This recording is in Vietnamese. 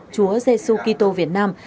chúa giê xu kỳ tô việt nam